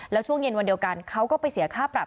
แล้วช่วงเย็นวันเดียวกันเขาก็ไปเสียค่าปรับ